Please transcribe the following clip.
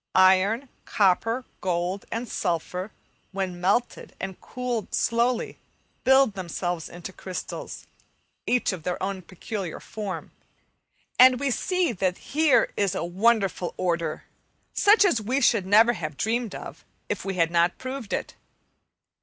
Iron, copper, gold, and sulphur, when melted and cooled slowly build themselves into crystals, each of their own peculiar form, and we see that there is here a wonderful order, such as we should never have dreamt of, if we had not proved it.